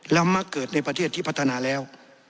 แล้วมักเกิดในประเทศที่พัฒนาแล้ว